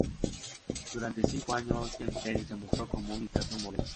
Durante cinco años James Kelly se mostró como un interno modelo.